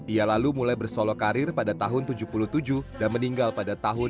ia lalu mulai bersolokarir pada tahun seribu sembilan ratus tujuh puluh tujuh dan meninggal pada tahun dua ribu